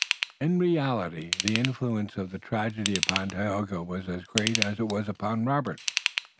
In reality the influence of the tragedy upon Tayoga was as great as it was upon Robert.